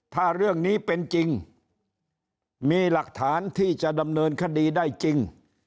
ถ้าเรื่องนี้เป็นจริงมีหลักฐานที่จะดำเนินคดีได้จริง